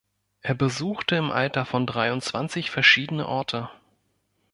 Er besuchte im Alter von dreiundzwanzig verschiedene Orte.